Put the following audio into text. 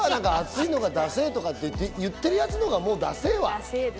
熱いのがだせぇとか言ってるやつのほうがだせぇわ。